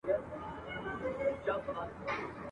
چي ملخ ته یې نیژدې کړله مشوکه ..